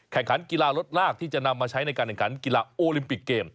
ขันกีฬารถลากที่จะนำมาใช้ในการแข่งขันกีฬาโอลิมปิกเกม